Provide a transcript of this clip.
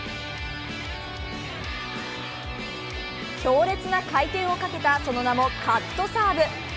強烈な回転をかけたその名もカットサーブ。